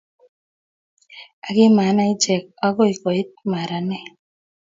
Ak kimanai ichek agoi koit maranet